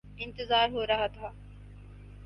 انتظار ہو رہا تھا